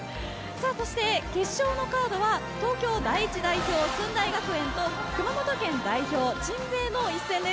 そして決勝のカードは東京第１代表・駿台学園と熊本県代表・鎮西の一戦です。